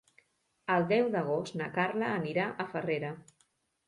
El deu d'agost na Carla anirà a Farrera.